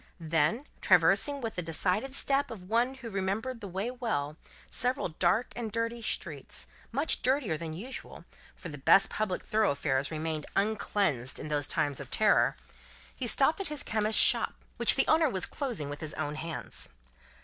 Then, traversing with the decided step of one who remembered the way well, several dark and dirty streets much dirtier than usual, for the best public thoroughfares remained uncleansed in those times of terror he stopped at a chemist's shop, which the owner was closing with his own hands.